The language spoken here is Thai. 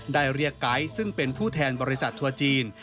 ได้เรียกไก๊ซึ่งเป็นผู้แทนบริษัททัวร์จีน